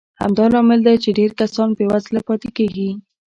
همدا لامل دی چې ډېر کسان بېوزله پاتې کېږي.